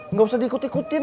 nggak usah diikut ikutin